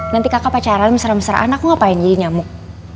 nanti kakak pacaran mesra mesraan aku ngapain jadi nyamuk